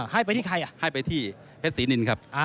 ให้ไปที่ใครให้ไปที่เพชรศรีนินครับ